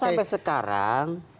karena sampai sekarang